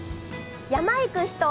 山行く人？